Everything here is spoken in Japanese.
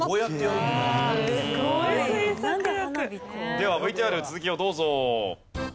ではＶＴＲ続きをどうぞ。